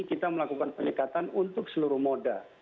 kita melakukan penyekatan untuk seluruh moda